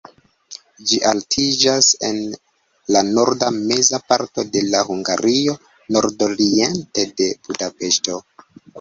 Ĝi altiĝas en la norda-meza parto de Hungario, nordoriente de Budapeŝto.